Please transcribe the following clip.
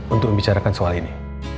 untuk membicarakan soal ini